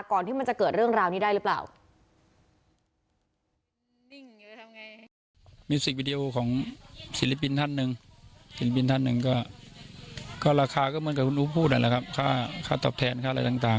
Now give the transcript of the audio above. ก่อนที่มันจะเกิดเรื่องราวนี้ได้หรือเปล่า